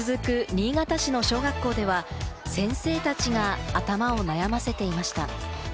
新潟市の小学校では、先生たちが頭を悩ませていました。